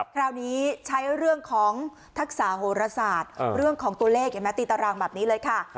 คราวนี้ใช้เรื่องของทักษะโหรศาสตร์เรื่องของตัวเลขเห็นไหมตีตารางแบบนี้เลยค่ะ